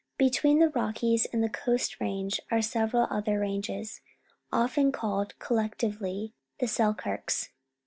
Between the Rockies and the Coast Range are several other ranges, often called collec tively the Selk^irks.